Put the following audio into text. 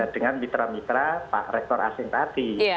dengan mitra mitra pak rektor asing tadi